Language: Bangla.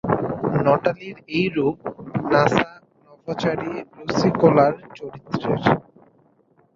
নাটালির এই রূপ নাসা নভোচারী লুসি কোলার চরিত্রের।